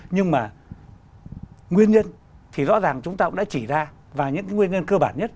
nhưng mà nguyên nhân thì rõ ràng chúng ta cũng đã chỉ ra và những cái nguyên nhân cơ bản nhất